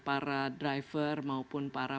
para driver maupun para